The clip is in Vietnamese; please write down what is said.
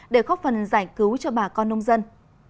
để góp phần giải cứu cho bà con nông dân